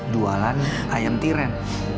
jualan ayam tiran